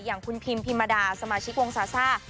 อย่างคุณพิมพิมดาสมาชิกวงซาซ่า